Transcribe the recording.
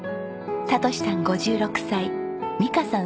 聰さん５６歳美香さん